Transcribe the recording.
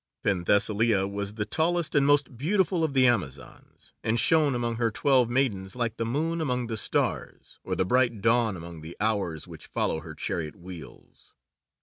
Penthesilea was the tallest and most beautiful of the Amazons, and shone among her twelve maidens like the moon among the stars, or the bright Dawn among the Hours which follow her chariot wheels.